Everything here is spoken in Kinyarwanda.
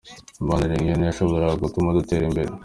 Imibanire nk’iyo ntiyashoboraga gutuma dutera imbere.